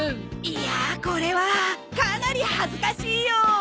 いやあこれはかなり恥ずかしいよ。